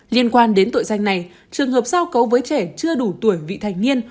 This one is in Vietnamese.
liên quan đến tội danh này trường hợp giao cấu với trẻ chưa đủ tuổi vị thành niên